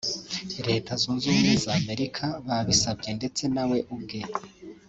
Leta Zunze Ubumwe za Amerika babisabye ndetse na we ubwe